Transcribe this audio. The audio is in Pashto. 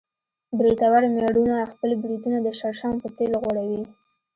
برېتور مېړونه خپل برېتونه د شړشمو په تېل غوړوي.